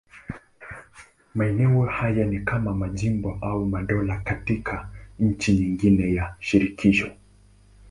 Maeneo haya ni kama majimbo au madola katika nchi nyingine ya shirikisho.